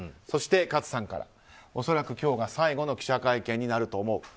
そして勝さんから恐らく今日が最後の記者会見になると思う。